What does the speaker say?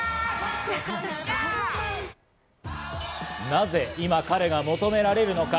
なぜ今、彼が求められるのか。